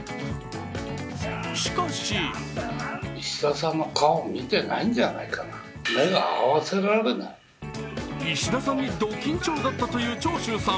しかし石田さんにド緊張だったという長州さん。